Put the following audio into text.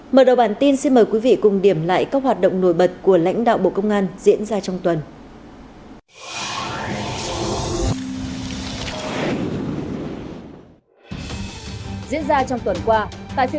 hãy đăng ký kênh để ủng hộ kênh của chúng mình nhé